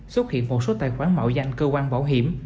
xuất hiện một số tài khoản mạo danh cơ quan bảo hiểm